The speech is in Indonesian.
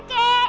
keo jagoan kan